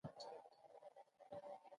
دغه طاق چې د بابر شاه په امر جوړ شو.